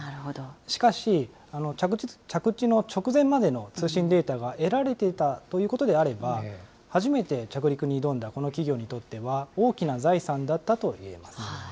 しかし、着地の直前までの通信データが得られていたということであれば、初めて着陸に挑んだこの企業にとっては、大きな財産だったといえます。